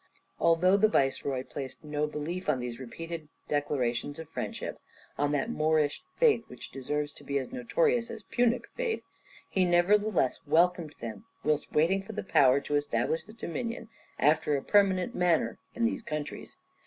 Although the viceroy placed no belief on these repeated declarations of friendship on that Moorish faith which deserves to be as notorious as Punic faith, he nevertheless welcomed them, whilst waiting for the power to establish his dominion after a permanent manner in these countries.